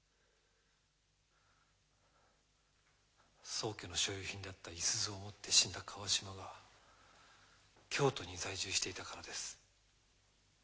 宗家の所有品であった五十鈴を持って死んだ川島が京都に在住していたからです。